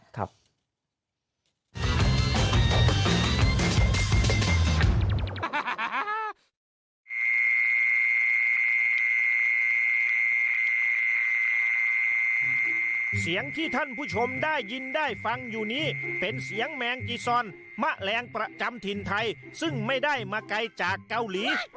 เสียงที่ท่านผู้ชมได้ยินได้ฟังอยู่นี้เป็นเสียงแมงจีซอนมะแรงประจำถิ่นไทยซึ่งไม่ได้มาไกลจากเกาหลี